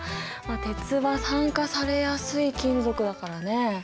鉄は酸化されやすい金属だからねえ。